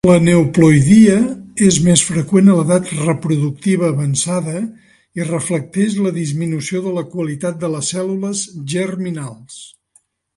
L'aneuploïdia és més freqüent a l'edat reproductiva avançada i reflecteix la disminució de la qualitat de les cèl·lules germinals.